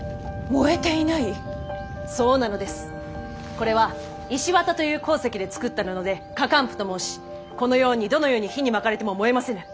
これは石綿という鉱石で作った布で火かん布と申しこのようにどのように火に巻かれても燃えませぬ。